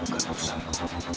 bukan urusan aku